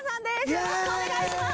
よろしくお願いします。